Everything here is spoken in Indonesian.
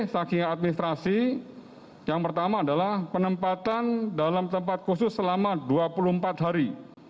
saking administrasi yang pertama adalah penempatan dalam tempat khusus selama dua puluh empat hari